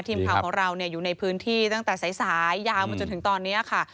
ทีมข่าวของเราอยู่ในพื้นที่ตั้งแต่สายยาวมาจนถึงตอนนี้ค่ะ